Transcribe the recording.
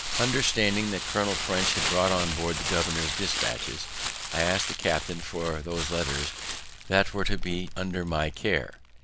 Understanding that Colonel French had brought on board the governor's despatches, I ask'd the captain for those letters that were to be under my care.